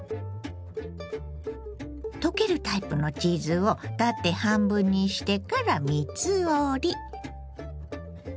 溶けるタイプのチーズを縦半分にしてから３つ折り。